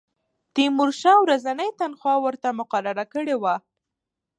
تیمورشاه ورځنۍ تنخوا ورته مقرره کړې وه.